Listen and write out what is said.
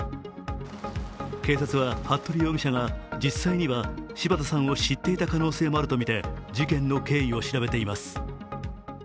警察は、服部容疑者が実際には柴田さんを知っていた可能性もあるとみて事件の経緯を調べています。